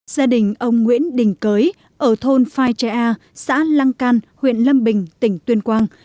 gia đình ông nguyễn đình cới ở thôn phai trẻ a xã lăng can huyện lâm bình tỉnh tuyên quang